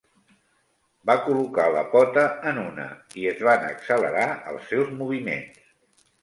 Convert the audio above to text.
Va col·locar la pota en una, i es van accelerar els seus moviments.